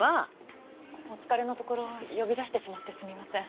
お疲れのところ呼び出してしまってすみません。